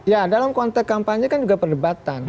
ya dalam konteks kampanye kan juga perdebatan